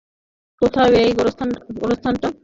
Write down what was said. কোথায় এই গোরস্থানটা?